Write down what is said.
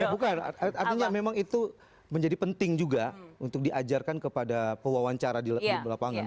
ya bukan artinya memang itu menjadi penting juga untuk diajarkan kepada pewawancara di lapangan